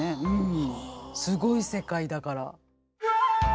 すごい世界だから。